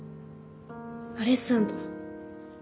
アレッサンドロ。